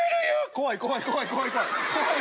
怖い怖い怖い怖い怖い。